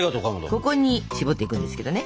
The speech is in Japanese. ここにしぼっていくんですけどね。